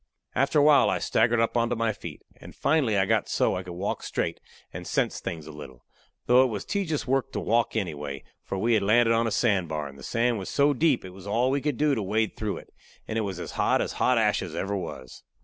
After awhile I staggered up onto my feet, and finally I got so I could walk straight and sense things a little; though it was tejus work to walk anyway, for we had landed on a sand bar, and the sand was so deep it was all we could do to wade through it, and it was as hot as hot ashes ever was.